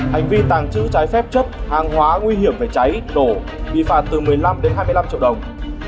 hành vi tàng trữ cháy phép chất hàng hóa nguy hiểm về cháy nổ vi phạt từ một mươi năm đến hai mươi năm triệu đồng